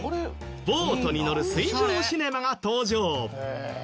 ボートに乗る水上シネマが登場。